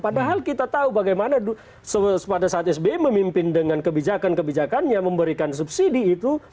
padahal kita tahu bagaimana pada saat sby memimpin dengan kebijakan kebijakannya memberikan subsidi itu